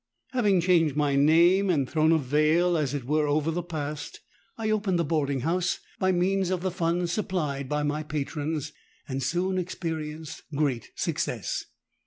Having changed my name and thrown a veil as it were over the past, I opened the boarding house by means of the funds supplied by my patrons, and soon experienced great success.